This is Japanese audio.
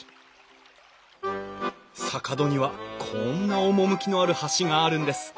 坂戸にはこんな趣のある橋があるんです。